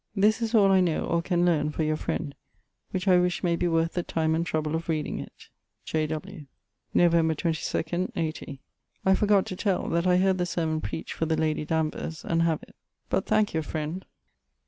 This is all I know or can learne for yoʳ friend; which I wish may be worth the time and treble of reading it. J. W. Nouᵉʳ. 22, 80. I forgot to tell, that I heard the sermon preacht for the lady Danuers, and have it: but thanke yʳ ffriend.